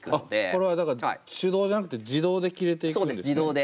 これはだから手動じゃなくて自動で切れていくんですね。